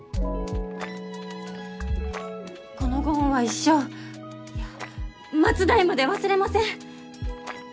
このご恩は一生いや末代まで忘れません！